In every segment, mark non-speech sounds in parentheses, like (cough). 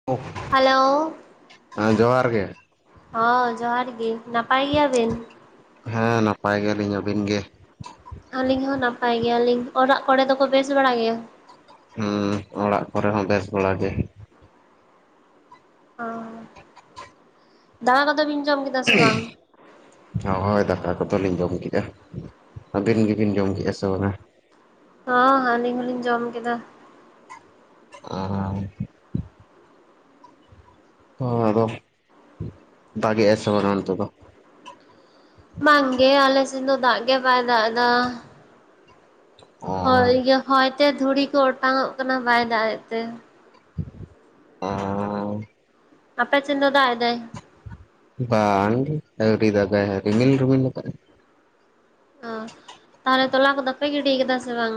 (unintelligible) Hello ᱦᱮᱸ ᱡᱚᱦᱟᱨ ᱜᱮ ᱦᱚᱸ ᱡᱚᱦᱟᱨ ᱜᱮ ᱱᱟᱯᱟᱭ ᱜᱮᱭᱟᱵᱤᱱ ᱦᱮᱸ ᱱᱟᱯᱟᱭ ᱜᱮᱭᱟᱞᱤᱧ ᱟᱹᱵᱤᱱ ᱜᱮ ᱟᱹᱞᱤᱧ ᱦᱚᱸ ᱱᱟᱯᱟᱭ ᱜᱮᱭᱟᱞᱤᱧ ᱾ ᱚᱲᱟᱜ ᱠᱚᱨᱮ ᱫᱚᱠᱚ ᱵᱮᱥ ᱵᱟᱲᱟ ᱜᱮᱭᱟ? ᱦᱩᱸ ᱚᱲᱟᱜ ᱠᱚᱨᱮ ᱦᱚᱸ ᱵᱮᱥ ᱵᱟᱲᱟ ᱜᱮ ᱾ ᱚ ᱫᱟᱠᱟ ᱠᱚᱫᱚ ᱵᱤᱱ ᱡᱚᱢ ᱠᱮᱫᱟ ᱥᱮ ᱵᱟᱝ? ᱦᱳᱭ ᱫᱟᱠᱟ ᱠᱚᱫᱚᱞᱤᱧ ᱡᱚᱢ ᱠᱮᱫᱼᱟ ᱾ ᱟᱹᱵᱤᱱ ᱜᱮᱵᱤᱱ ᱡᱚᱢ ᱠᱮᱫᱼᱟ ᱥᱮ ᱵᱟᱝᱟ? ᱦᱚᱸ ᱟᱹᱞᱤᱧ ᱦᱚᱸᱞᱤᱧ ᱡᱚᱢ ᱠᱮᱫᱟ᱾ ᱟ ᱚ ᱟᱫᱚ ᱫᱟᱜᱽ ᱜᱮ ᱟᱭ ᱥᱮ ᱵᱟᱝ ᱚᱱᱛᱮ ᱫᱚ? ᱵᱟᱝ ᱜᱮ ᱟᱞᱮᱥᱮᱱ ᱫᱚ ᱫᱟᱜ ᱜᱮ ᱵᱟᱭ ᱫᱟᱜ ᱫᱟ᱾ ᱚ ᱦᱳᱭ ᱤᱭᱟᱹ ᱦᱚᱭᱛᱮ ᱫᱷᱩᱲᱤ ᱠᱚ ᱚᱴᱟᱝ ᱚᱜ ᱠᱟᱱᱟ ᱵᱟᱭ ᱫᱟᱜ ᱮᱜ ᱛᱮ᱾ ᱚᱸ ᱟᱯᱮ ᱪᱮᱱ ᱫᱚ ᱫᱟᱜ ᱮᱫᱟᱭ? ᱵᱟᱝ ᱜᱮ ᱟᱹᱣᱨᱤ ᱫᱟᱜᱟᱭ ᱦᱟᱸᱜ ᱨᱤᱢᱤᱞ ᱨᱤᱢᱤᱞ ᱞᱟᱠᱟ ᱟᱭ᱾ ᱚ ᱛᱟᱦᱞᱮ ᱛᱚᱞᱟ ᱠᱚᱫᱚ ᱯᱮ ᱜᱤᱰᱤᱭ ᱠᱟᱫᱟ ᱥᱮ ᱵᱟᱝ?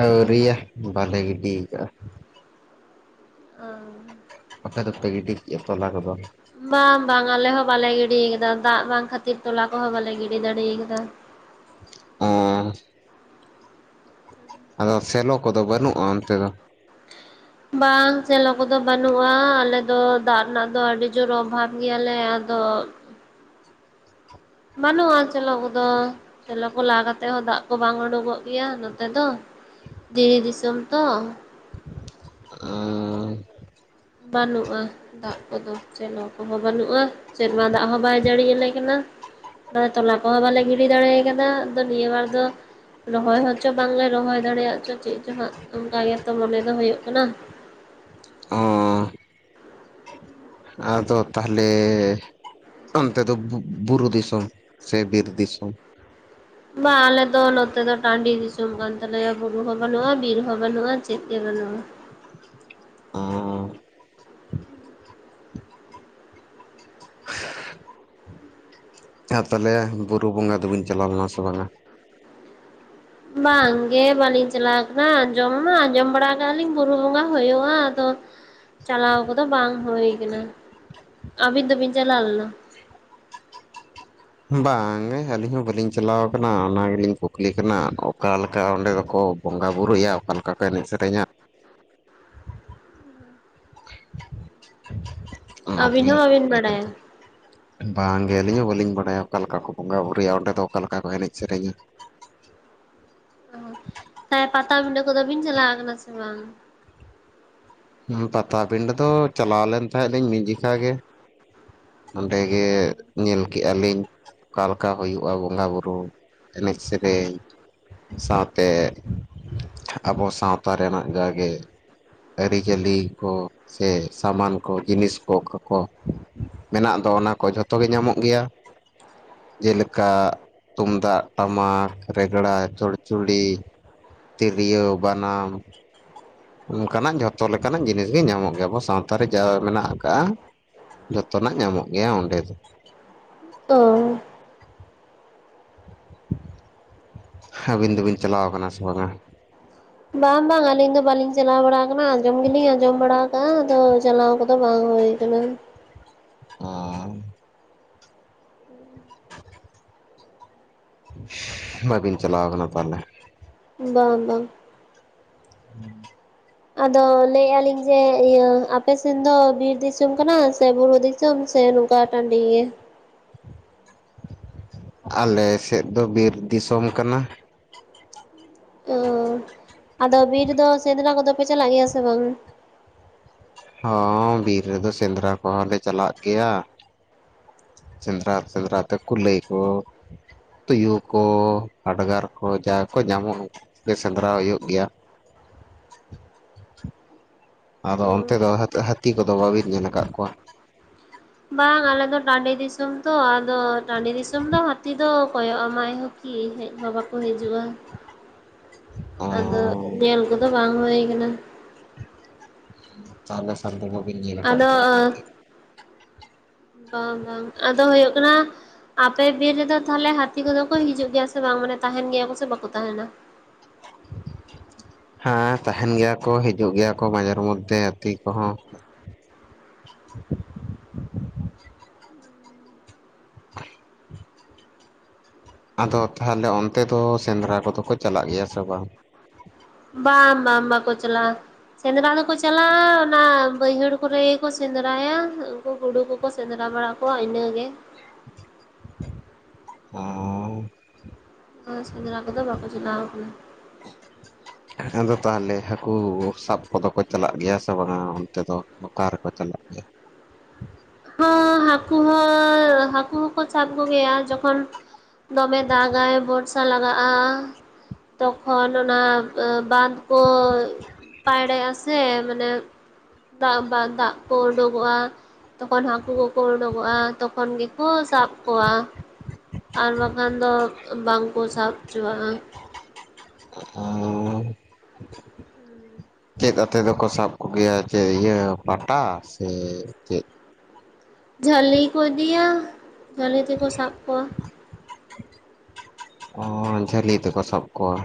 ᱟᱹᱣᱨᱤᱭᱟ ᱵᱟᱞᱮ ᱜᱤᱰᱤᱭᱠᱟᱜ-ᱟ᱾ ᱟᱸ ᱟᱯᱮ ᱫᱚᱯᱮ ᱜᱤᱰᱤ ᱠᱮᱜ-ᱟ ᱛᱚᱞᱟ ᱠᱚᱫᱚ? ᱵᱟᱢ ᱵᱟᱝ ᱟᱞᱮ ᱦᱚᱸ ᱵᱟᱞᱮ ᱜᱤᱰᱤᱭ ᱠᱟᱫᱟ ᱫᱟᱜ ᱵᱟᱝ ᱠᱷᱟᱹᱛᱤᱨ ᱛᱚᱞᱟ ᱠᱚᱦᱚᱸ ᱵᱟᱞᱮ ᱜᱤᱰᱤ ᱫᱟᱹᱲᱤᱭ ᱠᱟᱫᱟ᱾ ᱚᱸ ᱟᱫᱚ ᱥᱮᱞᱚ ᱠᱚᱫᱚ ᱵᱟᱹᱱᱩᱜ-ᱟ ᱚᱱᱛᱮ ᱫᱚ? ᱵᱟᱝ ᱪᱮᱞᱚ ᱠᱚᱫᱚ ᱵᱟᱹᱱᱩᱜ-ᱟ ᱟᱞᱮ ᱫᱚ ᱫᱟᱜ ᱨᱮᱱᱟᱜ ᱫᱚ ᱟᱹᱰᱤ ᱡᱳᱨ ᱚᱵᱷᱟᱵ ᱜᱮᱭᱟᱞᱮ ᱟᱫᱚ ᱵᱟᱹᱱᱩᱜ-ᱟ ᱪᱮᱞᱚ ᱠᱚᱫᱚ᱾ ᱪᱮᱞᱚ ᱠᱚ ᱞᱟ ᱠᱟᱛᱮ ᱦᱚᱸ ᱫᱟᱜ ᱠᱚ ᱵᱟᱝ ᱩᱰᱩᱠᱚᱜ ᱜᱮᱭᱟ ᱱᱚᱛᱮ ᱫᱚ᱾ ᱫᱤᱨᱤ ᱫᱤᱥᱚᱢ ᱛᱚ, ᱵᱟᱹᱱᱩᱜ-ᱟ᱾ ᱫᱟᱜ ᱠᱚᱫᱚ ᱪᱮᱞᱚ ᱠᱚᱦᱚᱸ ᱵᱟᱹᱱᱩᱜ-ᱟ ᱥᱮᱨᱢᱟ ᱫᱟᱜ ᱦᱚᱸ ᱵᱟᱭ ᱡᱟᱹᱲᱤ ᱭᱟᱞᱮ ᱠᱟᱱᱟ᱾ ᱫᱚ ᱛᱚᱞᱟ ᱠᱚᱦᱚᱸ ᱵᱟᱞᱮ ᱜᱤᱰᱤ ᱫᱟᱲᱮᱭ ᱠᱟᱫᱟ ᱟᱫᱚ ᱱᱤᱭᱟᱹ ᱵᱟᱨ ᱫᱚ᱾ ᱨᱚᱦᱚᱭ ᱦᱚᱸᱪᱚ ᱵᱟᱝᱞᱮ ᱨᱚᱦᱚᱭ ᱫᱟᱲᱮᱭᱟᱜ ᱪᱚ ᱪᱮᱫ ᱪᱚ ᱦᱟᱸᱜ ᱚᱱᱠᱟ ᱜᱮᱛᱚ ᱢᱚᱱᱮ ᱫᱚ ᱦᱳᱭᱳᱜ ᱠᱟᱱᱟ᱾ ᱚ ᱟᱫᱚ ᱛᱟᱦᱞᱮ ᱚᱱᱛᱮ ᱫᱚ ᱵᱩᱨᱩ ᱫᱤᱥᱚᱢ ᱥᱮ ᱵᱤᱨ ᱫᱤᱥᱚᱢ? ᱵᱟ ᱟᱞᱮ ᱫᱚ ᱱᱚᱛᱮ ᱫᱚ ᱴᱟᱺᱰᱤ ᱫᱤᱥᱚᱢ ᱠᱟᱱ ᱛᱟᱞᱮᱭᱟ ᱵᱩᱨᱩ ᱦᱚᱸ ᱵᱟᱹᱱᱩᱜ-ᱟ ᱵᱤᱨ ᱦᱚᱸ ᱵᱟᱹᱱᱩᱜ-ᱟ ᱪᱮᱫ ᱜᱮ ᱵᱟᱹᱱᱩᱜ-ᱟ᱾ ᱚᱸ ᱟᱨ ᱛᱟᱞᱦᱮ ᱵᱩᱨᱩ ᱵᱚᱸᱜᱟ ᱫᱚ ᱵᱤᱱ ᱪᱟᱞᱟᱣ ᱞᱮᱱᱟ ᱥᱮ ᱵᱟᱝᱟ? ᱵᱟᱝᱜᱮ ᱵᱟᱹᱞᱤᱧ ᱪᱟᱞᱟᱣ ᱠᱟᱱᱟ ᱟᱸᱡᱚᱢ ᱢᱟ ᱟᱸᱡᱚᱢ ᱵᱟᱲᱟ ᱠᱟᱜ-ᱟ ᱞᱤᱧ ᱵᱩᱨᱩ ᱵᱚᱸᱜᱟ ᱦᱩᱭᱩᱜ-ᱟ ᱟᱫᱚ ᱪᱟᱞᱟᱣ ᱠᱚᱫᱚ ᱵᱟᱝ ᱦᱩᱭ ᱠᱟᱱᱟ᱾ᱟᱹᱵᱤᱱ ᱫᱚᱵᱤᱱ ᱪᱟᱞᱟᱣ ᱞᱮᱱᱟ? ᱵᱟᱝ ᱜᱮ ᱟᱹᱞᱤᱧ ᱦᱚᱸ ᱵᱟᱹᱞᱤᱧ ᱪᱟᱞᱟᱣ ᱠᱟᱱᱟ ᱚᱱᱟ ᱜᱮᱞᱤᱧ ᱠᱩᱠᱞᱤ ᱠᱟᱱᱟ ᱚᱠᱟᱞᱮᱠᱟ ᱚᱸᱰᱮ ᱫᱚᱠᱚ ᱵᱚᱸᱜᱟ ᱵᱩᱨᱩᱭᱟ ᱚᱠᱟ ᱞᱮᱠᱟ ᱠᱚ ᱮᱱᱮᱡ ᱥᱮᱨᱮᱧᱟ? (unintelligible) ᱟᱹᱵᱤᱱ ᱦᱚᱸ ᱵᱟᱹᱵᱤᱱ ᱠᱩᱠᱞᱤ ᱠᱟᱱ ᱵᱟᱰᱟᱭᱟ? ᱵᱟᱝᱜᱮ ᱟᱹᱞᱤᱧ ᱦᱚᱸ ᱵᱟᱹᱞᱤᱧ ᱵᱟᱰᱟᱭᱟ᱾ᱚᱠᱟ ᱞᱮᱠᱟ ᱠᱚ ᱵᱚᱸᱜᱟ ᱵᱩᱨᱩᱭᱟ ᱚᱸᱰᱮ ᱫᱚ ᱚᱠᱟ ᱞᱮᱠᱟ ᱠᱚ ᱮᱱᱮᱡ ᱥᱮᱨᱮᱧᱟ᱾ ᱚ ᱛᱷᱟᱞᱮ ᱯᱟᱛᱟᱵᱤᱰᱟᱹ ᱠᱚᱫᱚ ᱵᱤᱱ ᱪᱟᱞᱟᱣ ᱠᱟᱱᱟ ᱥᱮ ᱵᱟᱝ? ᱦᱩᱢ ᱯᱟᱛᱟᱵᱤᱱᱰᱟᱹ ᱫᱚ ᱪᱟᱞᱟᱣ ᱞᱮᱱ ᱛᱟᱦᱮᱸᱜ ᱞᱤᱧ ᱢᱤᱫ ᱡᱩᱠᱷᱟ ᱜᱮ᱾ ᱚᱸᱰᱮ ᱜᱮ ᱧᱮᱞ ᱠᱮᱜ-ᱟ ᱞᱤᱧ᱾ ᱚᱠᱟ ᱞᱮᱠᱟ ᱦᱚᱭᱩᱜ-ᱟ ᱵᱚᱸᱜᱟ ᱵᱩᱨᱩ ᱮᱱᱮᱡ ᱥᱮᱨᱮᱧ, ᱥᱟᱶᱛᱮ ᱟᱵᱚ ᱥᱟᱶᱛᱟ ᱨᱮᱱᱟᱜ ᱡᱟᱸᱜᱮ, ᱟᱹᱨᱤᱪᱟᱹᱞᱤ ᱠᱚ ᱥᱮ ᱥᱟᱢᱟᱱ ᱠᱚ ᱡᱤᱱᱤᱥ ᱠᱚ ᱠᱟ ᱠᱚ, ᱢᱮᱱᱟᱜ ᱫᱚ ᱚᱱᱟ ᱠᱚ ᱡᱷᱚᱛᱚ ᱜᱮ ᱧᱟᱢᱚᱜ ᱜᱮᱭᱟ᱾ ᱡᱮᱞᱮᱠᱟ ᱛᱩᱢᱫᱟᱜ, ᱴᱟᱢᱟᱠ, ᱨᱮᱜᱽᱲᱟ, ᱪᱚᱲᱪᱚᱲᱤ, ᱛᱤᱨᱭᱟᱹᱣ, ᱵᱟᱱᱟᱢ, ᱚᱱᱠᱟᱱᱟᱜ ᱡᱷᱚᱛᱚ ᱞᱮᱠᱟᱱᱟᱜ ᱡᱤᱱᱤᱥ ᱜᱮ ᱧᱟᱢᱚᱜ ᱜᱮᱭᱟ ᱟᱵᱚ ᱥᱟᱶᱛᱟ ᱨᱮ ᱡᱟ ᱢᱮᱱᱟᱜ ᱠᱟᱜ-ᱟ᱾ ᱡᱚᱛᱚᱱᱟᱜ ᱧᱟᱢᱚᱜ ᱜᱮᱭᱟ ᱚᱸᱰᱮ ᱫᱚ ᱾ ᱚ ᱟᱹᱵᱤᱱ ᱫᱚᱵᱤᱱ ᱪᱟᱞᱟᱣ ᱠᱟᱱᱟ ᱥᱮ ᱵᱟᱝᱼᱟ? ᱵᱟᱝ ᱵᱟᱝ ᱟᱹᱞᱤᱧ ᱫᱚ ᱵᱟᱞᱤᱧ ᱪᱟᱞᱟᱣ ᱵᱟᱲᱟ ᱟᱠᱟᱱᱟ ᱟᱸᱡᱚᱢ ᱜᱮᱞᱤᱧ ᱟᱸᱡᱚᱢ ᱵᱟᱲᱟ ᱟᱠᱟᱟᱜᱼᱟ ᱟᱫᱚ ᱪᱟᱞᱟᱣ ᱠᱟᱛᱮ ᱵᱟᱝ ᱦᱩᱭ ᱠᱟᱱᱟ᱾ ᱚᱸ ᱵᱟᱵᱤᱱ ᱪᱟᱞᱟᱣ ᱠᱟᱱᱟ ᱛᱟᱦᱞᱮ᱾ ᱵᱟᱝ ᱵᱟᱝ ᱦᱮᱸ ᱟᱫᱚ ᱞᱟᱹᱭᱮᱫᱼᱟ ᱞᱤᱧ ᱡᱮ ᱤᱭᱟᱹ ᱟᱯᱮ ᱥᱮᱱ ᱫᱚ ᱵᱤᱨ ᱫᱤᱥᱚᱢ ᱠᱟᱱᱟ ᱥᱮ ᱵᱩᱨᱩ ᱫᱤᱥᱚᱢ ᱥᱮ? ᱠᱟᱴᱰᱤ ᱜᱮ ᱟᱞᱮ ᱥᱮᱫ ᱫᱚ ᱵᱤᱨ ᱫᱤᱥᱚᱢ ᱠᱟᱱᱟ᱾ ᱚᱻ ᱟᱫᱚ ᱵᱤᱨ ᱫᱚ ᱥᱮᱸᱫᱽᱨᱟ ᱠᱚᱫᱚ ᱯᱮ ᱪᱟᱞᱟᱜ ᱜᱮᱭᱟ ᱥᱮ ᱵᱟᱝ? ᱦᱚᱸ ᱵᱤᱨ ᱨᱮᱫᱚ ᱥᱮᱸᱫᱽᱨᱟ ᱠᱚᱦᱚᱸ ᱞᱮ ᱪᱟᱞᱟᱜ ᱜᱮᱭᱟ᱾ ᱥᱮᱸᱫᱽᱨᱟ ᱥᱮᱸᱫᱽᱨᱟ ᱛᱮ ᱠᱩᱞᱟᱹᱭ ᱠᱚ ᱛᱳᱭᱳ ᱠᱚ ᱦᱟᱰᱜᱟᱨ ᱠᱚ ᱡᱟᱦᱟᱸ ᱠᱚ ᱧᱟᱢᱚᱜ ᱜᱮ ᱥᱮᱸᱫᱽᱨᱟ ᱦᱩᱭᱩᱜ ᱜᱮᱭᱟ᱾ ᱟᱫᱚ ᱚᱱᱛᱮ ᱫᱚ ᱦᱟᱹᱛᱤ ᱠᱚᱫᱚ ᱵᱟᱹᱵᱤᱱ ᱧᱮᱞ ᱟᱠᱟᱫ ᱠᱚᱣᱟ? ᱵᱟᱝ ᱟᱞᱮᱫᱚ ᱴᱟᱺᱰᱤ ᱫᱤᱥᱚᱢ ᱛᱚ ᱟᱫᱚ ᱴᱟᱺᱰᱤ ᱫᱤᱥᱚᱢ ᱫᱚ ᱦᱟᱹᱛᱤ ᱫᱚ᱾ ᱠᱚᱭᱚᱜᱼᱟᱢᱟᱭ ᱠᱤ ᱦᱮᱡ ᱦᱚ ᱵᱟᱠᱚ ᱦᱤᱡᱩᱜᱼᱟ ᱚᱻ ᱟᱫᱚ ᱧᱮᱞ ᱠᱚᱫᱚ ᱵᱟᱝ ᱦᱩᱭ ᱟᱠᱟᱱᱟ᱾ ᱛᱟᱞᱦᱮ ᱠᱷᱟᱱ ᱫᱚ ᱠᱚᱵᱤᱱ ᱧᱮᱞ ᱠᱟᱫ ᱟᱫᱚ ᱠᱚᱣᱟ᱾ ᱟᱨᱠᱤ ᱵᱟᱝ ᱵᱟᱝ ᱟᱫᱚ ᱦᱩᱭᱩᱜ ᱠᱟᱱᱟ ᱟᱯᱮ ᱵᱤᱨ ᱨᱮᱫᱚ ᱛᱟᱦᱚᱞᱮ ᱦᱟᱹᱛᱤ ᱠᱚᱫᱚ ᱠᱚ ᱦᱤᱡᱩᱜ ᱜᱮᱭᱟ ᱥᱮ ᱵᱟᱝ ᱢᱟᱱᱮ ᱛᱟᱦᱮᱱ ᱜᱮᱭᱟ ᱠᱚ ᱥᱮ ᱵᱟᱠᱚ ᱛᱟᱦᱮᱱᱟ? ᱦᱮᱸ ᱛᱟᱦᱮᱱ ᱜᱮᱭᱟ ᱠᱚ ᱦᱤᱡᱩᱜ ᱜᱮᱭᱟ ᱠᱚ ᱢᱟᱡᱷᱮᱨ ᱢᱚᱫᱽᱫᱷᱮ ᱦᱟᱛᱤ ᱠᱚᱦᱚᱸ (inaudible) (inaudible) ᱟᱫᱚ ᱛᱟᱦᱚᱞᱮ ᱚᱱᱛᱮ ᱫᱚ ᱥᱮᱸᱫᱽᱨᱟ ᱠᱚᱫᱚ ᱠᱚ ᱪᱟᱞᱟᱜ ᱜᱮᱭᱟ ᱥᱮ ᱵᱟᱝ? ᱵᱟᱝ ᱵᱟᱝ ᱵᱟᱠᱚ ᱪᱟᱞᱟᱜᱼᱟ᱾ ᱥᱮᱸᱫᱽᱨᱟ ᱫᱚᱠᱚ ᱪᱟᱞᱟᱜᱼᱟ ᱚᱱᱟ ᱵᱟᱹᱭᱦᱟᱹᱲ ᱠᱚᱨᱮ ᱜᱮ ᱠᱚ ᱥᱮᱸᱫᱽᱨᱟᱭᱟ ᱩᱱᱠᱞ ᱜᱩᱰᱩ ᱠᱚᱠᱚ ᱥᱮᱸᱫᱽᱨᱟ ᱵᱟᱲᱟ ᱠᱚᱣᱟ ᱤᱱᱟᱹᱜᱮ ᱦ ᱥᱮᱸᱫᱽᱨᱟ ᱠᱚᱫᱚ ᱵᱟᱠᱚ ᱪᱟᱞᱟᱣ ᱠᱟᱱᱟ ᱟᱫᱚ ᱛᱟᱦᱚᱞᱮ ᱦᱟᱹᱠᱩ ᱥᱟᱵ ᱠᱚᱫᱚ ᱠᱚ ᱪᱟᱞᱟᱜ ᱜᱮᱭᱟ ᱥᱮ ᱵᱟᱝᱟ ᱚᱱᱛᱮ ᱫᱚ ᱚᱠᱟ ᱨᱮᱠᱚ ᱪᱟᱞᱟᱜ ᱜᱮᱭᱟ? ᱦᱟᱹᱠᱩ ᱦᱚᱸ ᱦᱟᱹᱠᱩ ᱦᱚᱸᱠᱚ ᱥᱟᱵ ᱠᱚᱜᱮᱭᱟ ᱡᱚᱠᱷᱚᱱ ᱫᱚᱢᱮ ᱫᱟᱜᱟᱭ ᱵᱚᱨᱥᱟ ᱞᱟᱜᱟᱜᱼᱟ᱾ ᱛᱚᱠᱷᱚᱱ ᱚᱱᱟ ᱵᱟᱸᱫᱷ ᱠᱚ ᱯᱟᱭᱨᱟᱜᱼᱟ ᱥᱮ ᱥᱮ ᱢᱟᱱᱮ ᱫᱟᱜ ᱵᱟᱝ ᱫᱟᱜ ᱠᱚ ᱚᱰᱠᱚᱜᱼᱟ᱾ ᱛᱚᱠᱷᱚᱱ ᱦᱟᱹᱠᱩ ᱠᱚᱠᱚ ᱩᱰᱩᱠᱚᱜᱼᱟ ᱛᱚᱠᱷᱚᱱ ᱜᱮᱠᱚ ᱥᱟᱵ ᱠᱚᱣᱟ ᱟᱨ ᱵᱟᱠᱷᱟᱱ ᱫᱚ ᱵᱟᱝ ᱠᱚ ᱥᱟᱵ ᱚᱪᱚᱣᱟᱜᱼᱟ ᱚ ᱦᱩᱸ ᱪᱮᱫ ᱟᱛᱮᱫ ᱫᱚᱠᱚ ᱥᱟᱵ ᱠᱚᱜᱮᱭᱟ ᱪᱮᱫ ᱤᱭᱟᱹ ᱯᱟᱴᱟ ᱥᱮ ᱪᱮᱫ? ᱡᱷᱟᱹᱞᱤ ᱠᱚ ᱤᱫᱤᱭᱟ ᱡᱷᱟᱹᱞᱤ ᱛᱮᱠᱚ ᱥᱟᱵ ᱠᱚᱣᱟ᱾ ᱚ ᱡᱷᱟᱹᱞᱤ ᱛᱮᱠᱚ ᱥᱟᱵ ᱠᱚᱣᱟ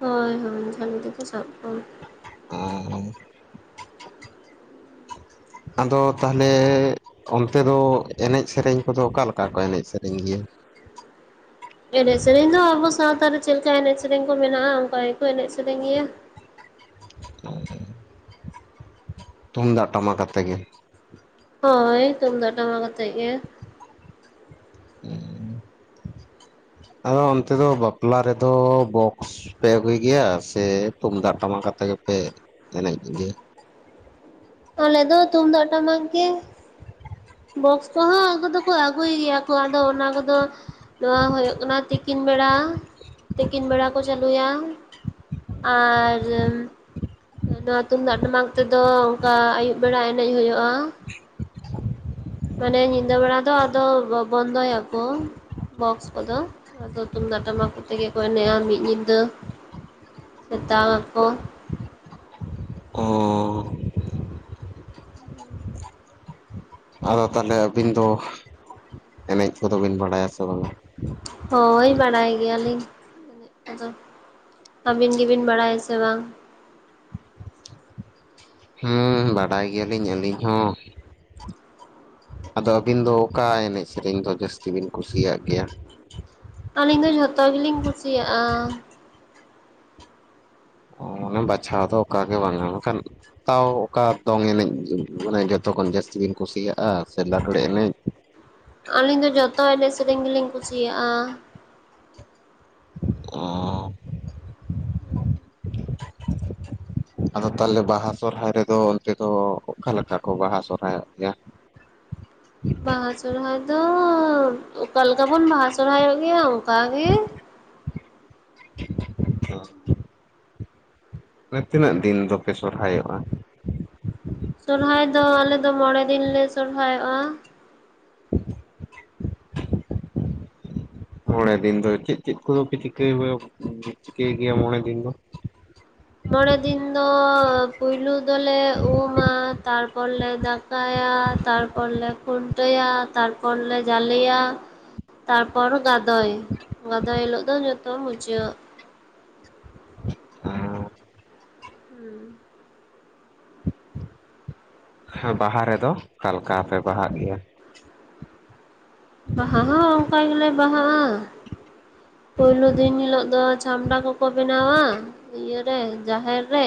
ᱦᱳᱭ ᱦᱳᱭ ᱡᱷᱟᱞᱤ ᱛᱮᱠᱚ ᱥᱟᱵ ᱠᱚᱣᱟ᱾ ᱟᱨ (inaudible) (inaudible) ᱟᱫᱚ ᱛᱟᱦᱚᱞᱮ ᱚᱱᱛᱮ ᱫᱚ ᱮᱱᱮᱡ ᱥᱮᱨᱮᱧ ᱠᱚᱫᱚ ᱚᱠᱟ ᱞᱮᱠᱟ ᱠᱚ ᱮᱱᱮᱡ ᱥᱮᱨᱮᱧ ᱜᱮᱭᱟ? ᱮᱱᱮᱡ ᱥᱮᱨᱮᱧ ᱫᱚ ᱟᱵᱚ ᱥᱟᱶᱛᱟ ᱨᱮ ᱪᱮᱫ ᱞᱮᱠᱟ ᱮᱱᱮᱡ ᱥᱮᱨᱮᱧ ᱠᱚ ᱢᱮᱱᱟᱜᱼᱟ ᱚᱱᱠᱟ ᱜᱮᱠᱚ ᱮᱱᱮᱡ ᱥᱮᱨᱮᱧ ᱜᱮᱭᱟ ᱾ (inaudible) ᱛᱩᱢᱫᱟᱜ ᱴᱟᱢᱟᱠ ᱟᱛᱮ ᱜᱮ? ᱦᱳᱭ ᱛᱩᱢᱫᱟᱜ ᱴᱟᱢᱟᱠ ᱟᱛᱮ ᱜᱮ ᱾ (inaudible) ᱟᱫᱚ ᱚᱱᱛᱮ ᱫᱚ ᱵᱟᱯᱞᱟ ᱨᱮᱫᱚ ᱵᱚᱠᱥ ᱯᱮ ᱟᱹᱜᱩᱭ ᱜᱮᱭᱟ ᱥᱮ ᱛᱩᱢᱫᱟᱜ ᱴᱟᱢᱟᱠ ᱟᱛᱮ ᱜᱮᱯᱮ ᱮᱱᱮᱡ ᱜᱮᱭᱟ? ᱟᱞᱮ ᱫᱚ ᱛᱩᱢᱫᱟᱜ ᱴᱟᱢᱟᱠ ᱜᱮ ᱾ ᱵᱚᱠᱥ ᱠᱚᱦᱚᱸ ᱟᱹᱜᱩ ᱫᱚᱠᱚ ᱟᱹᱜᱩᱭ ᱜᱮᱭᱟ ᱠᱚ ᱟᱫᱚ ᱚᱱᱟ ᱠᱚᱫᱚ ᱱᱚᱣᱟ ᱦᱩᱭᱩᱜ ᱠᱟᱱᱟ ᱛᱤᱠᱤᱱ ᱵᱮᱲᱟ, ᱛᱤᱠᱤᱱ ᱵᱮᱲᱟ ᱠᱚ ᱪᱟᱹᱞᱩᱭᱟ ᱾ ᱟᱨ ᱱᱚᱣᱟ ᱛᱩᱢᱫᱟᱜ ᱴᱟᱢᱟᱠ ᱛᱮᱫᱚ ᱚᱱᱠᱟ ᱟᱹᱭᱩᱵ ᱵᱮᱲᱟ ᱮᱱᱮᱡ ᱦᱩᱭᱩᱜᱼᱟ ᱾ (inaudible) ᱢᱟᱱᱮ ᱧᱤᱫᱟᱹ ᱵᱮᱲᱟ ᱫᱚ ᱟᱫᱚ ᱵᱚᱱᱫᱚᱭᱟᱠᱚ ᱾ ᱵᱚᱠᱥ ᱠᱚᱫᱚ, ᱟᱫᱚ ᱛᱩᱢᱫᱟᱜ ᱴᱟᱢᱟᱠ ᱛᱮᱜᱮ ᱠᱚ ᱮᱱᱮᱡᱼᱟ ᱢᱤᱫ ᱧᱤᱫᱟᱹ ᱥᱮᱛᱟᱜ ᱟᱠᱚ ᱾ ᱚᱻ ᱾ ᱟᱫᱚ ᱛᱟᱦᱚᱞᱮ ᱟᱹᱵᱤᱱ ᱫᱚ ᱮᱱᱮᱡ ᱠᱚᱫᱚ ᱵᱤᱱ ᱵᱟᱲᱟᱭᱟ ᱥᱮ ᱵᱟᱝᱟ? ᱦᱳᱭ ᱵᱟᱲᱟᱭ ᱜᱮᱭᱟᱞᱤᱧ ᱮᱱᱮᱡ ᱠᱚᱫᱚ ᱾ ᱟᱹᱵᱤᱱ ᱜᱮᱵᱤᱱ ᱵᱟᱲᱟᱭᱟ ᱥᱮ ᱵᱟᱝ? ᱦᱩᱸ ᱵᱟᱰᱟᱭ ᱜᱮᱭᱟᱞᱤᱧ ᱟᱹᱞᱤᱧ ᱦᱚᱸ ᱾ ᱟᱫᱚ ᱟᱹᱵᱤᱱ ᱫᱚ ᱚᱠᱟ ᱮᱱᱮᱡ ᱥᱮᱨᱮᱧ ᱫᱚ ᱡᱟᱹᱥᱛᱤ ᱵᱤᱱ ᱠᱩᱥᱤᱭᱟᱜ ᱜᱮᱭᱟ? ᱟᱹᱞᱤᱧ ᱫᱚ ᱡᱷᱚᱛᱚ ᱜᱮᱞᱤᱧ ᱠᱩᱥᱤᱭᱟᱜᱼᱟ ᱾ ᱢᱟᱱᱮ ᱵᱟᱪᱷᱟᱣ ᱫᱚ ᱚᱠᱟ ᱜᱮ ᱵᱟᱝᱟ, ᱢᱮᱱᱠᱷᱟᱱ ᱛᱟᱣ ᱚᱠᱟ ᱫᱚᱝ ᱮᱱᱮᱡ ᱢᱟᱱᱮ ᱡᱚᱛᱚ ᱠᱷᱚᱱ ᱡᱟᱹᱥᱛᱤ ᱵᱤᱱ ᱠᱩᱥᱤᱭᱟᱜᱼᱟ ᱥᱮ ᱞᱟᱜᱽᱲᱮ ᱮᱱᱮᱡ? ᱟᱹᱞᱤᱧ ᱫᱚ ᱡᱚᱛᱚ ᱮᱱᱮᱡ ᱥᱮᱨᱮᱧ ᱜᱮᱞᱤᱧ ᱠᱩᱥᱤᱭᱟᱜᱼᱟ ᱾ ᱚᱻ ᱾ (inaudible) ᱟᱫᱚ ᱛᱟᱦᱚᱞᱮ ᱵᱟᱦᱟ ᱥᱚᱨᱦᱟᱭ ᱨᱮᱫᱚ ᱚᱱᱛᱮ ᱫᱚ ᱚᱠᱟᱮᱠᱟ ᱠᱚ ᱵᱟᱦᱟ ᱥᱚᱨᱚᱦᱟᱭᱚᱜ ᱜᱮᱭᱟ? ᱵᱟᱦᱟ ᱥᱚᱨᱦᱟᱭ ᱫᱚ ᱚᱠᱟ ᱞᱮᱠᱟ ᱵᱚᱱ ᱵᱟᱦᱟ ᱥᱚᱨᱦᱟᱭᱚᱜ ᱜᱮᱭᱟ ᱚᱱᱠᱟ ᱜᱮ ᱾ ᱚ ᱾ ᱢᱟᱱᱮ ᱛᱤᱱᱟᱹᱜ ᱫᱤᱱ ᱫᱚᱯᱮ ᱥᱚᱨᱦᱟᱭᱚᱜᱼᱟ? ᱥᱚᱨᱦᱟᱭ ᱫᱚ ᱟᱞᱮ ᱫᱚ ᱢᱚᱲᱮ ᱫᱤᱱ ᱞᱮ ᱥᱦᱟᱭᱚᱜᱼᱟ ᱾ (inaudible) ᱢᱚᱲᱮ ᱫᱤᱱ ᱫᱚ ᱪᱮᱫ ᱪᱮᱫ ᱠᱚᱫᱚ ᱯᱮ ᱪᱤᱠᱟᱹᱭ ᱪᱤᱠᱟᱹᱭ ᱜᱮᱭᱟ ᱢᱚᱲᱮ ᱫᱤᱱ ᱫᱚ? ᱢᱚᱲᱮ ᱫᱤᱱ ᱫᱚ ᱯᱩᱭᱞᱩ ᱫᱚᱞᱮ ᱩᱢᱼᱟ, ᱛᱟᱨᱯᱚᱨ ᱞᱮ ᱫᱟᱠᱼᱼ ᱠᱟᱭᱟ, ᱛᱟᱨᱯᱚᱨ ᱞᱮ ᱠᱷᱩᱱᱴᱟᱹᱭᱟ, ᱛᱟᱨᱯᱚᱨ ᱞᱮ ᱡᱟᱞᱮᱭᱟ ᱾ ᱛᱟᱨᱯᱚᱨ ᱜᱟᱫᱚᱭ, ᱜᱟᱫᱚᱭ ᱦᱤᱞᱳᱜ ᱫᱚ ᱡᱚᱛᱚ ᱢᱩᱪᱟᱹᱫ ᱾ (inaudible) ᱟᱸ ᱦᱩᱸ ᱾ ᱦᱮᱸ ᱵᱟᱦᱟ ᱨᱮᱫᱚ ᱚᱠᱟᱞᱮᱠᱟ ᱯᱮ ᱵᱟᱦᱟᱜ ᱜᱮᱭᱟ? ᱵᱟᱦᱟ ᱦᱚᱸ ᱚᱱᱠᱟ ᱜᱮᱞᱮ ᱵᱟᱦᱟᱜᱼᱟ ᱾ ᱯᱳᱭᱞᱳ ᱫᱤᱱ ᱦᱤᱞᱚᱜ ᱫᱚ ᱪᱷᱟᱢᱲᱟ ᱠᱚᱠᱚ ᱵᱮᱱᱟᱣᱟ ᱾ ᱤᱭᱟᱹ ᱨᱮ ᱡᱟᱦᱮᱨ ᱨᱮ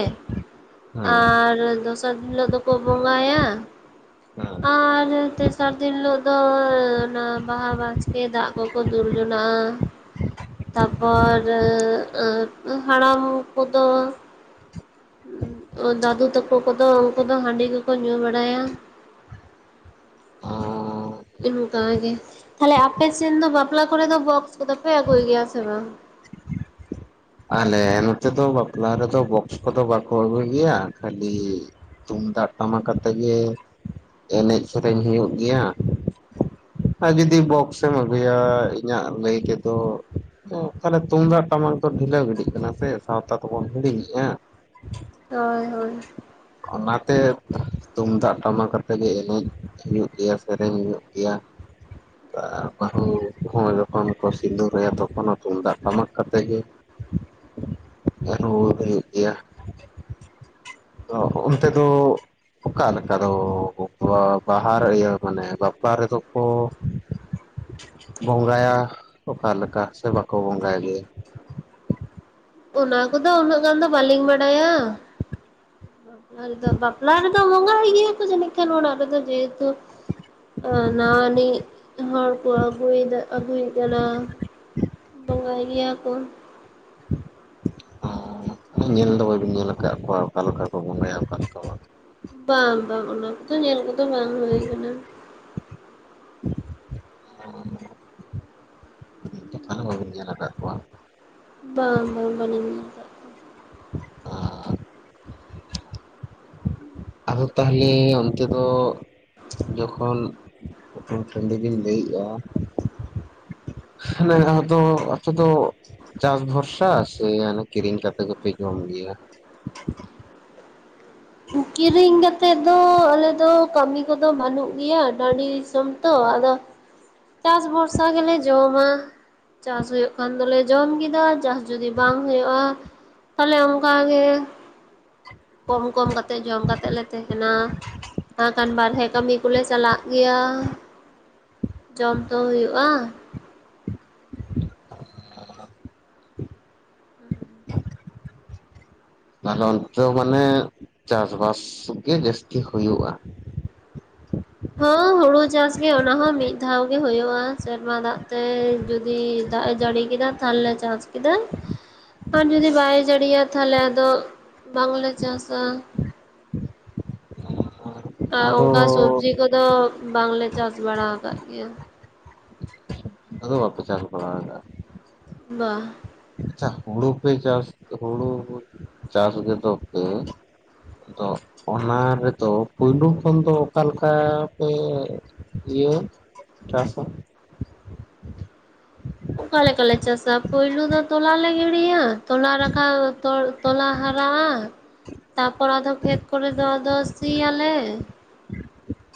ᱦᱮᱸ ᱟᱨ ᱫᱚᱥᱟᱨ ᱫᱤᱱ ᱦᱤᱞᱳᱜ ᱫᱚᱠᱚ ᱵᱚᱸᱜᱟᱭᱟ ᱦᱮᱸ ᱟᱨ ᱛᱮᱥᱟᱨ ᱫᱤᱱ ᱦᱤᱞᱳᱜ ᱫᱚ ᱚᱱᱟ ᱵᱟᱦᱟ ᱵᱟᱥᱠᱮ ᱫᱟᱜ ᱠᱚ ᱠᱚ ᱫᱩᱞ ᱡᱚᱱᱟᱜᱼᱟ ᱛᱟᱯᱚᱨ ᱮᱻ ᱮ ᱦᱟᱲᱟᱢ ᱠᱚᱫᱚ ᱫᱟᱹᱫᱩ ᱛᱟᱠᱚ ᱠᱚᱫᱚ ᱩᱱᱠᱩ ᱫᱚ ᱦᱟᱺᱰᱤ ᱠᱚᱠᱚ ᱧᱩ ᱵᱟᱲᱟᱭᱟ ᱚᱸᱻ ᱚᱱᱠᱟ ᱜᱮ ᱛᱟᱦᱚᱞᱮ ᱟᱯᱮ ᱥᱮᱱ ᱫᱚ ᱵᱟᱯᱞᱟ ᱠᱚᱨᱮᱫ ᱫᱚ ᱵᱚᱠᱥ ᱠᱚᱫᱚᱯᱮ ᱟᱹᱜᱩᱭ ᱜᱮᱭᱟ ᱥᱮ ᱵᱟᱝ? ᱟᱞᱮ ᱱᱚᱛᱮ ᱫᱚ ᱵᱟᱯᱞᱟ ᱨᱮᱫᱚ ᱵᱚᱠᱥ ᱠᱚᱫᱚ ᱵᱟᱠᱚ ᱟᱹᱜᱩᱭ ᱜᱮᱭᱟ ᱠᱷᱟᱹᱞᱤᱻ ᱛᱩᱢᱫᱟᱜ ᱴᱟᱢᱟᱠ ᱟᱛᱮ ᱜᱮ ᱮᱱᱮᱡ ᱥᱮᱨᱮᱧ ᱦᱩᱭᱩᱜ ᱜᱮᱭᱟ ᱟᱨ ᱡᱩᱚᱫᱤ ᱵᱚᱠᱥ ᱮᱢ ᱟᱹᱜᱩᱭᱟ ᱤᱧᱟᱹᱜ ᱞᱟᱹᱭ ᱛᱮᱫᱚ ᱛᱚ ᱛᱟᱞᱦᱮ ᱛᱩᱢᱫᱟᱜ ᱴᱟᱢᱟᱠ ᱫᱚ ᱰᱷᱤᱞᱟᱹᱣ ᱜᱤᱰᱤᱜ ᱠᱟᱱᱟ ᱥᱮ ᱥᱟᱶᱛᱟ ᱛᱮᱵᱚᱱ ᱦᱤᱲᱤᱧᱮᱜ-ᱟ᱾ ᱦᱳᱭ ᱦᱳᱭ ᱚᱱᱟᱛᱮ ᱛᱩᱢᱫᱟᱜ ᱴᱟᱢᱟᱠ ᱠᱟᱛᱮᱜ ᱜᱮ ᱮᱱᱮᱡ ᱦᱩᱭᱩᱜ ᱜᱮᱭᱟ ᱥᱮᱨᱮᱧ ᱦᱩᱭᱩᱜ ᱜᱮᱭᱟ᱾ ᱟᱨ ᱵᱟᱦᱩ (unintelligible) ᱡᱚᱠᱷᱚᱱ ᱠᱚ ᱥᱤᱸᱫᱩᱨ ᱟᱭᱟ ᱛᱚᱠᱷᱚᱱ ᱦᱚᱸ ᱛᱩᱢᱫᱟᱜ ᱴᱟᱢᱟᱠ ᱠᱟᱛᱮᱫ ᱜᱮ ᱨᱩ ᱦᱩᱭᱩᱜ ᱜᱮᱭᱟ ᱛᱚ ᱚᱱᱛᱮ ᱫᱚ ᱚᱠᱟ ᱞᱮᱠᱟ ᱫᱚ ᱵᱟᱦᱟ ᱨᱮ ᱤᱭᱟᱹ ᱢᱟᱱᱮ ᱵᱟᱯᱞᱟ ᱨᱮᱫᱚ ᱚ ᱵᱚᱸᱜᱟᱭᱟ ᱚᱠᱟ ᱞᱮᱠᱟ ᱥᱮ ᱵᱟᱠᱚ ᱵᱚᱸᱜᱟᱭ ᱜᱮᱭᱟ? ᱚᱱᱟ ᱠᱚᱫᱚ ᱩᱱᱟᱹᱜ ᱜᱟᱱ ᱫᱚ ᱵᱟᱹᱞᱤᱧ ᱵᱟᱰᱟᱭᱟ᱾ ᱵᱟᱯᱞᱟ ᱨᱮᱫᱚ ᱵᱟᱯᱞᱟ ᱨᱮᱫᱚ ᱵᱚᱸᱜᱟᱭ ᱜᱮᱭᱟᱠᱚ ᱡᱟᱹᱱᱤᱡ ᱠᱷᱟᱱ ᱚᱲᱟᱜ ᱨᱮᱫᱚ ᱡᱮᱦᱮᱛᱩ ᱱᱟᱣᱟᱱᱤᱡ ᱦᱚᱲ ᱠᱚ ᱟᱹᱜᱩᱭᱮᱫᱟ ᱟᱹᱜᱩᱭᱮ ᱠᱟᱱᱟ᱾ ᱵᱚᱸᱜᱟᱭ ᱜᱮᱭᱟ ᱠᱚ᱾ ᱚ ᱧᱮᱞ ᱫᱚ ᱵᱟᱹᱵᱤᱱ ᱧᱮᱞ ᱟᱠᱟᱫ ᱠᱚᱣᱟ ᱚᱠᱟ ᱞᱮᱠᱟ ᱠᱚ ᱵᱚᱸᱜᱟᱭᱟ ᱚᱠᱟ ᱞᱮᱠᱟ ᱵᱟᱝ ᱵᱟᱝ ᱵᱟᱝ ᱚᱱᱟ ᱠᱚᱫᱚ ᱧᱮᱞ ᱠᱚᱫᱚ ᱵᱟᱝ ᱦᱩᱭ ᱠᱟᱱᱟ᱾ ᱛᱟᱦᱞᱮ ᱵᱟᱹᱵᱤᱱ ᱧᱮᱞ ᱟᱠᱟᱫ ᱠᱚᱣᱟ᱾ ᱵᱟᱝ ᱵᱟᱝ ᱵᱟᱞᱤᱧ (unintelligible) ᱟᱫᱚ ᱛᱟᱞᱦᱮ ᱚᱱᱛᱮ ᱫᱚ ᱡᱚᱠᱷᱚᱱ ᱢᱤᱫᱴᱮᱱ ᱴᱟᱱᱰᱤ ᱜᱤᱧ ᱞᱟᱹᱭᱮᱜ-ᱟ ᱱᱤᱭᱟ ᱫᱷᱟᱣ ᱫᱚ ᱟᱛᱳ ᱫᱚ ᱪᱟᱥ ᱵᱷᱚᱨᱥᱟ ᱥᱮ ᱠᱤᱨᱤᱧ ᱠᱟᱛᱮᱜ ᱜᱮᱯᱮ ᱡᱚᱢ ᱜᱮᱭᱟ ᱠᱤᱨᱤᱧ ᱠᱟᱛᱮᱫ ᱫᱚ ᱟᱞᱮᱫᱚ ᱠᱟᱹᱢᱤ ᱠᱚᱫᱚ ᱵᱟᱹᱱᱩᱜ ᱜᱮᱭᱟ ᱴᱟᱺᱰᱤ ᱫᱤᱥᱚᱢ ᱛᱚ ᱟᱫᱚ ᱪᱟᱥ ᱵᱷᱚᱨᱥᱟ ᱜᱮᱞᱮ ᱡᱚᱢᱟ᱾ ᱪᱟᱥ ᱦᱳᱭᱳᱜ ᱠᱷᱟᱱ ᱫᱚᱞᱮ ᱡᱚᱢ ᱠᱮᱫᱟ ᱪᱟᱥ ᱡᱚᱫᱤ ᱵᱟᱝ ᱦᱳᱭᱳᱜ-ᱟ ᱛᱟᱦᱚᱞᱮ ᱚᱱᱠᱟᱜᱮ ᱠᱚᱢ ᱠᱚᱢ ᱠᱟᱛᱮᱜ ᱡᱚᱢ ᱠᱟᱛᱮᱜ ᱞᱮ ᱛᱟᱦᱮᱸᱱᱟ ᱠᱷᱟᱱ ᱵᱟᱨᱦᱮ ᱠᱟᱹᱢᱤ ᱠᱚᱞᱮ ᱪᱟᱞᱟᱜ ᱜᱮᱭᱟ ᱡᱚᱢ ᱛᱚ ᱦᱩᱭᱩᱜ-ᱟ᱾ ᱟᱫᱚ ᱚᱱᱛᱮ ᱢᱟᱱᱮ ᱪᱟᱥᱵᱟᱥ ᱜᱮ ᱡᱟᱹᱥᱛᱤ ᱦᱩᱭᱩᱜ-ᱟ᱾ ᱦᱚᱸ ᱦᱩᱲᱩ ᱪᱟᱥᱜᱮ ᱚᱱᱟ ᱦᱚᱸ ᱢᱤᱫ ᱫᱷᱟᱣ ᱜᱮ ᱦᱩᱭᱩᱜ-ᱟ ᱥᱮᱨᱢᱟ ᱫᱟᱜ ᱦᱮᱸ ᱡᱩᱫᱤ ᱫᱟᱜ ᱮ ᱡᱟᱹᱲᱤ ᱠᱮᱫᱟ ᱛᱟᱞᱦᱮ ᱪᱟᱥ ᱠᱮᱫᱟ ᱟᱨ ᱡᱩᱫᱤ ᱵᱟᱭ ᱡᱟᱹᱲᱤᱭᱟ ᱛᱟᱞᱦᱮ ᱟᱫᱚ ᱵᱟᱝᱞᱮ ᱪᱟᱥᱟ ᱚ ᱟᱨ ᱚᱱᱠᱟ ᱥᱚᱵᱽᱡᱤ ᱠᱚᱫᱚ ᱵᱟᱝᱞᱮ ᱪᱟᱥ ᱵᱟᱲᱟ ᱟᱠᱟᱫ ᱜᱮᱭᱟ᱾ ᱟᱫᱚ ᱵᱟᱯᱮ ᱪᱟᱥ ᱵᱟᱲᱟ ᱠᱟᱜ-ᱟ? ᱵᱟ ᱾ ᱟᱪᱪᱷᱟ ᱦᱩᱲᱩ ᱯᱮ ᱪᱟᱥ, ᱦᱩᱲᱩ ᱪᱟᱥ ᱜᱮᱫᱚ ᱯᱮ ᱟᱫᱚ ᱚᱱᱟ ᱨᱮᱫᱚ ᱯᱩᱭᱞᱩ ᱠᱷᱚᱱ ᱫᱚ ᱚᱠᱟ ᱞᱮᱠᱟ ᱯᱮ ᱤᱭᱟᱹ ᱪᱟᱥᱟ? ᱚᱠᱟ ᱞᱮᱠᱟ ᱞᱮ ᱪᱟᱥᱟ ᱯᱳᱭᱞᱩ ᱫᱚ ᱛᱚᱞᱟ ᱞᱮ ᱜᱤᱲᱤᱭᱟ᱾ ᱛᱚᱞᱟ ᱨᱟᱠᱟᱵ ᱛᱚᱞ ᱛᱚᱞᱟ ᱦᱟᱨᱟᱜ-ᱟ ᱛᱟᱯᱚᱨ ᱟᱫᱚ ᱠᱷᱮᱛ ᱠᱚᱨᱮ ᱫᱚ ᱟᱫᱚ ᱥᱤ ᱭᱟᱞᱮ᱾ (unintelligible)